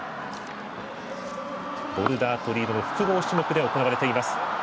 ボルダーとリードの複合種目で行われています。